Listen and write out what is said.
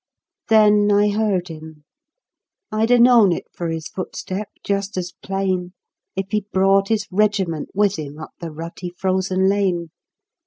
Then I heard him. I'd a known it for his footstep just as plain If he'd brought his regiment with him up the rutty frozen lane.